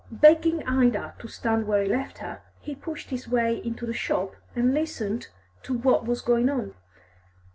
Begging Ida to stand where he left her, he pushed his way into the shop and listened to what was going on.